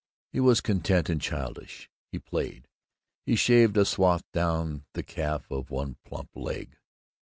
He was content and childish. He played. He shaved a swath down the calf of one plump leg.